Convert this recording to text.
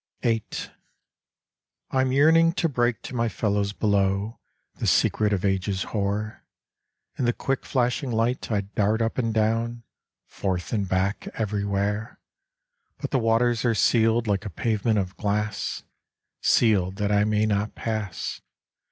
VIII. "I'm yearning to break To my fellows below The secret of ages hoar; In the quick flashing light I dart up and down, Forth and back, everywhere, But the waters are sealed Like a pavement of glass, Sealed that I may not pass.